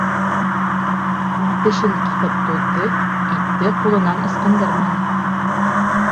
Ул тешен ҡыҫып түҙҙе, итте ҡулынан ыскындырманы.